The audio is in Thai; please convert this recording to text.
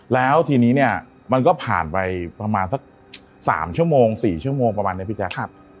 แล้วทีนี้เนี่ยมันก็ผ่านไปประมาณสัก๓ชั่วโมง๔ชั่วโมงประมาณนี้พี่แจ๊ค